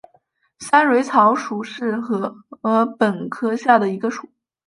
三蕊草属是禾本科下的一个属。